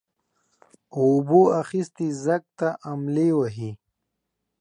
اوبو اخيستى ځگ ته املې وهي.